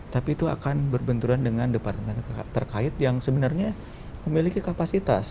tapi itu akan berbenturan dengan departemen terkait yang sebenarnya memiliki kapasitas